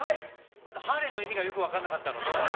まずハーレーの意味がよく分からなかったのと。